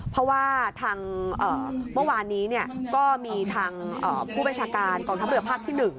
เพราะว่าเมื่อวานนี้เนี่ยก็มีทางผู้ประชากาลคองทำรับภักดิ์ที่๑